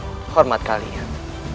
aku terima hormat kalian